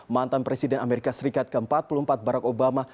mantan presiden amerika serikat ke empat puluh empat barack obama